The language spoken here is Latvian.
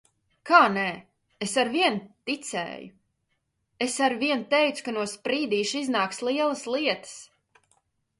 Kā nē? Es arvien ticēju! Es arvien teicu, ka no Sprīdīša iznāks lielas lietas.